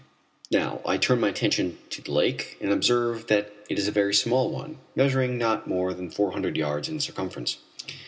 Now I turn my attention to the lake and observe that it is a very small one, measuring not more than four hundred yards in circumference.